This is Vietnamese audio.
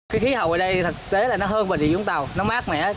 vì vậy khí hậu ở đây thật tế là nó hơn bình địa vũng tàu nó mát mẻ